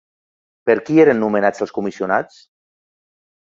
Per qui eren nomenats els comissionats?